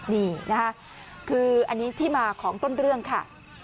นี่นะคะคืออันนี้ที่มาของต้นเรื่องค่ะ